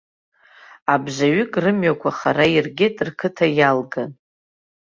Абжаҩык рымҩақәа хара иргеит, рқыҭа иалган.